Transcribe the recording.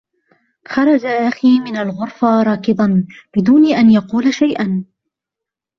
خرج أخي من الغرفة راكضا بدون أن يقول شيئا.